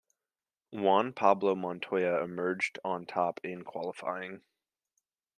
Juan Pablo Montoya emerged on top in qualifying.